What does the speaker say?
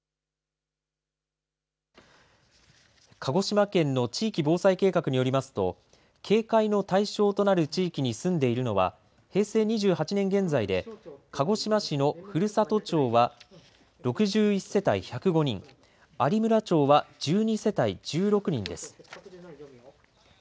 鹿児島県の地域防災計画によりますと、警戒の対象となる地域に住んでいるのは平成２８年現在で、鹿児島市の古里町は６１世帯１０５人、有村町は１２世帯１６人です。